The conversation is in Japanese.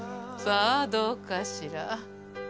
さあどうかしら？